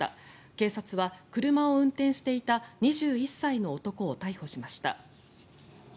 警察は車を運転していた２１歳の男を逮捕しました。